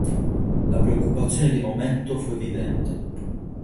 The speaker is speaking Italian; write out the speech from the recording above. La preoccupazione di Maometto fu evidente.